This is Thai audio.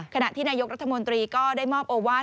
ขณะที่นายกรัฐมนตรีก็ได้มอบโอวาส